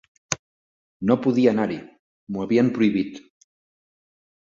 No podia anar-hi: m'ho havien prohibit.